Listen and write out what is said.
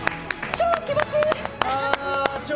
超気持ちいい！